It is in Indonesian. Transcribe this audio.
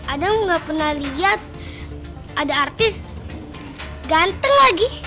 adam gak pernah lihat ada artis ganteng lagi